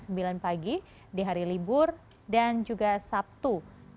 pukul sembilan pagi di hari libur dan juga sabtu